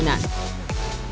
dan juga bernardinan